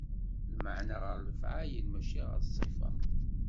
Lmeɛna ɣer lefɛayel, mačči ɣer ṣṣifa.